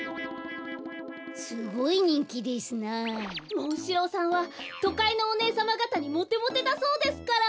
モンシローさんはとかいのおねえさまがたにモテモテだそうですから。